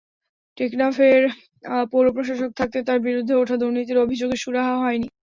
টেকনাফের পৌর প্রশাসক থাকতে তাঁর বিরুদ্ধে ওঠা দুর্নীতির অভিযোগের সুরাহা হয়নি।